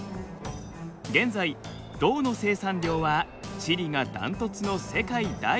現在銅の生産量はチリが断トツの世界第１位。